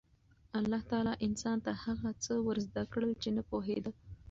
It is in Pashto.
الله تعالی انسان ته هغه څه ور زده کړل چې نه پوهېده.